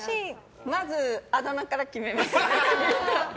まず、あだ名から決めます。